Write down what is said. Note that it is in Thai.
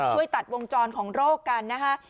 ช่วยตัดวงจรของโรคกันนะคะ